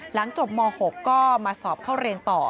หลังจบม๖ก็มาสอบเข้าเรียนต่อ